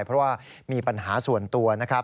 เพราะว่ามีปัญหาส่วนตัวนะครับ